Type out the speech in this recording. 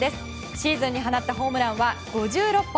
シーズンに放ったホームランは５６本。